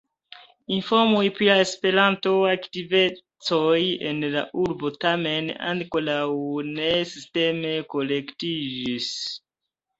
Informoj pri la Esperanto-aktivecoj en la urbo tamen ankoraŭ ne sisteme kolektiĝis.